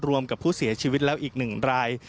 รวมกับผู้เสียชีวิตแล้วอีก๑ราย